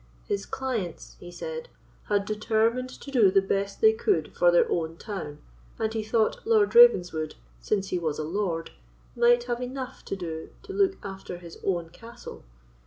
"His clients," he said, "had determined to do the best they could for their own town, and he thought Lord Ravenswood, since he was a lord, might have enough to do to look after his own castle.